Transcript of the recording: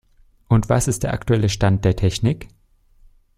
Und was ist der aktuelle Stand der Technik.